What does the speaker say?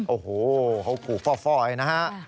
โอ้โหขูฟ่อนะฮะ